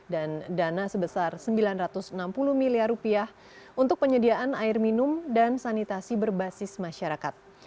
dan dana sebesar sembilan ratus enam puluh miliar rupiah untuk penyediaan air minum dan sanitasi berbasis masyarakat